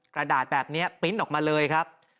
กระดาษแบบนี้ปริ้นต์ออกมาเลยครับ